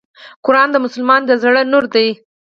قرآن د مسلمان د زړه نور دی .